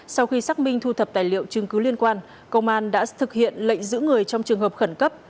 sau khi xác minh thu thập tài liệu chứng cứ liên quan công an đã thực hiện lệnh giữ người trong trường hợp khẩn cấp